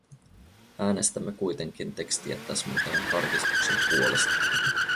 Äänestämme kuitenkin tekstiä täsmentävän tarkistuksen puolesta.